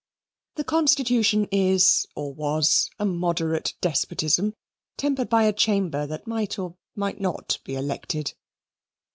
The Constitution is or was a moderate despotism, tempered by a Chamber that might or might not be elected.